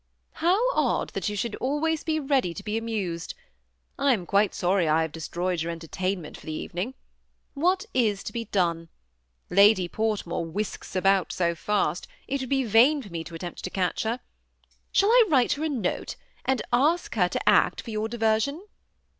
'' How odd that yon should always be ready to be amused ! I am quite sorry I have destroyed your eo^ tertainment for the evening. What is to be done? Lady Portmore whisks about so fast, it would be vaia for me to attempt to catch her. Shall I write her a note^ and ask her to act for your diversion?"